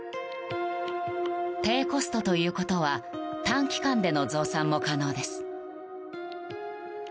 低コストということは短期間での増産も可能です。